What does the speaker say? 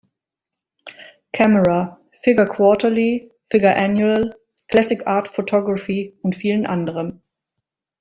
Camera", "Figure Quarterly", "Figure Annual", "Classic Art Photography" und vielen anderen.